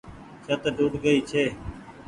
ڇت ٽوٽ گئي ڇي۔